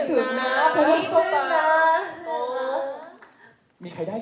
ฐานที่เกิดได้